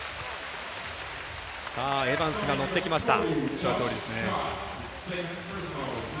エバンスが乗ってきました。